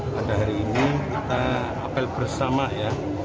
pada hari ini kita apel bersama ya